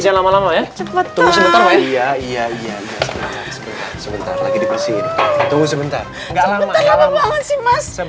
jangan lama lama ya sebentar sebentar sebentar lagi diberi ini tunggu sebentar enggak lama lama